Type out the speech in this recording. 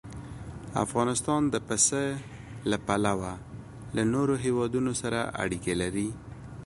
افغانستان د پسه له پلوه له نورو هېوادونو سره اړیکې لري.